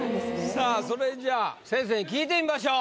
さあそれじゃあ先生に聞いてみましょう。